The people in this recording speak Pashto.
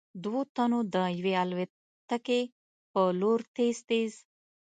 دوو تنو د يوې الوتکې په لور تېز تېز �